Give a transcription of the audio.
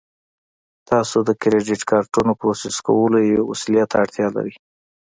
تاسو د کریډیټ کارتونو پروسس کولو یوې وسیلې ته اړتیا لرئ